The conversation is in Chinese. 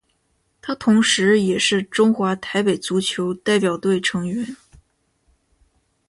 他同时也是中华台北足球代表队成员。